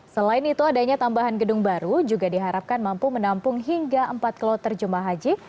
selain itu adanya tambahan gedung baru juga diharapkan mampu menampung hingga empat kloter jemaah haji